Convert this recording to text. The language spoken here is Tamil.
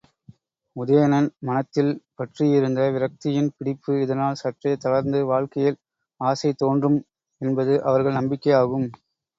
உதயணன் மனத்தில் பற்றியிருந்த விரக்தியின் பிடிப்பு இதனால் சற்றே தளர்ந்து வாழ்க்கையில் ஆசைதோன்றும் என்பது அவர்கள் நம்பிக்கை ஆகும்.